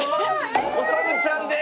「おさむちゃんです！」